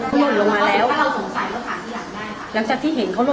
ไม่มีสติหล่นลงมาแล้วถ้าเราสงสัยกับทางที่หลังหน้าครับ